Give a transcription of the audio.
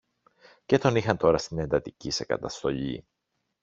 και τον είχαν τώρα στην εντατική σε καταστολή